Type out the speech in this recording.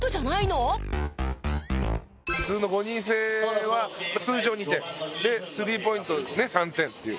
普通の５人制は通常２点でスリーポイント３点っていう。